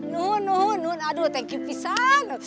nuh nun nun aduh thank you pisan